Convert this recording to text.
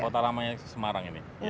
kota lama semarang ini